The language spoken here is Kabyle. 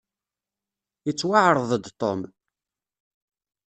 Yettwaɛreḍ-d Tom.